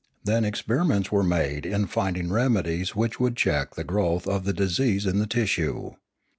Then experiments were made in finding remedies which would check the growth of the disease in the tissue.